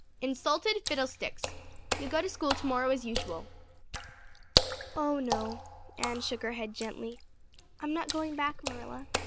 "Insulted fiddlesticks! You'll go to school tomorrow as usual." "Oh, no." Anne shook her head gently. "I'm not going back, Marilla.